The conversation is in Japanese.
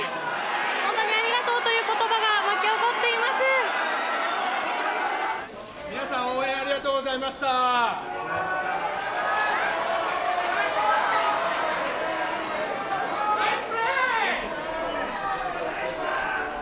本当にありがとうという言葉が沸き上がっております。